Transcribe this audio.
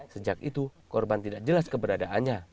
sejak itu korban tidak jelas keberadaannya